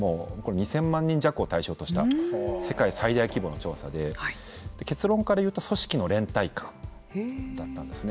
２０００万人弱を対象とした世界最大規模の調査で結論から言うと組織の連帯感だったんですね。